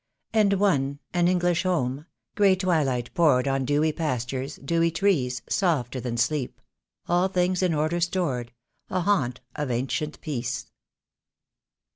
"And one, an English home — gray twilight poured On dewy pastures, dewy trees, Softer than sleep — all things in order stored, A haunt of ancient Peace."